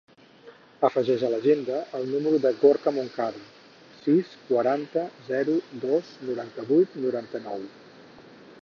Afegeix a l'agenda el número del Gorka Moncada: sis, quaranta, zero, dos, noranta-vuit, noranta-nou.